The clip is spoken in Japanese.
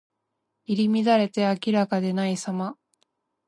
入り乱れて明らかでないさま。